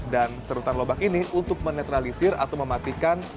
dan serutan lobak ini untuk menetralisir atau mematikan